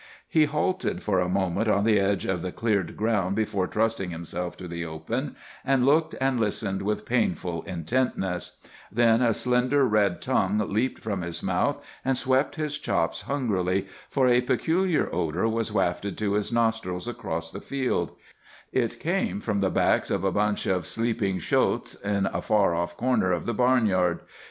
He halted for a moment on the edge of the cleared ground before trusting himself to the open, and looked and listened with painful intentness; then a slender red tongue leaped from his mouth and swept his chops hungrily, for a peculiar odor was wafted to his nostrils across the field—it came from the backs of a bunch of sleeping shotes in a far off corner of the barnyard.